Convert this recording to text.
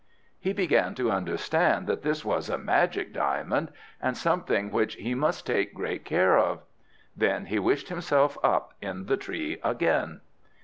He began to understand that this was a magic diamond, and something which he must take great care of. Then he wished himself up in the tree again.